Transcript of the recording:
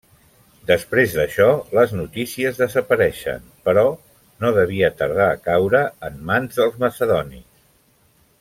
Després d'això les notícies desapareixen, però no devia tardar a caure en mans dels macedonis.